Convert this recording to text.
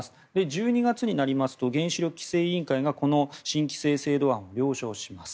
１２月になりますと原子力規制委員会がこの新規制制度案を了承します。